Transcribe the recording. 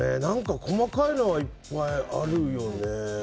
細かいのはいっぱいあるよね。